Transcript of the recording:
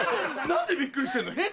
⁉何でビックリしてんの？